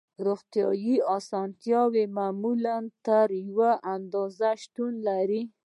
روغتیایی اسانتیاوې معمولاً تر یوې اندازې شتون لري